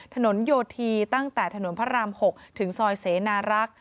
ถนนโยธีตั้งแต่ถนนพระราม๖ถึงซอยเสนารักษ์